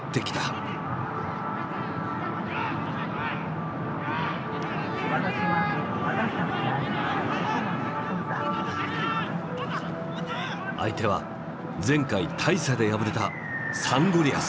相手は前回大差で敗れたサンゴリアス。